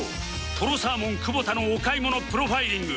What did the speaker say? とろサーモン久保田のお買い物プロファイリング！